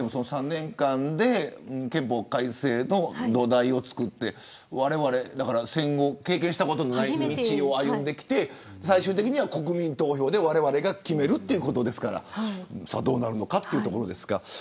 ３年間で憲法改正の土台をつくってわれわれ戦後経験したことがない道を歩んできて最終的には国民投票でわれわれが決めるということですから、さあどうなるのかというところです。